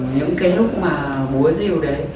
những cái lúc mà bố rìu đấy